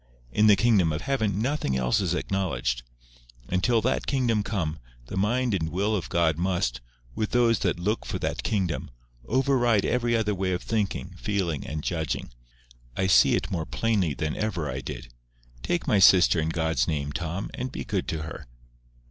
In the kingdom of Heaven nothing else is acknowledged. And till that kingdom come, the mind and will of God must, with those that look for that kingdom, over ride every other way of thinking, feeling, and judging. I see it more plainly than ever I did. Take my sister, in God's name, Tom, and be good to her."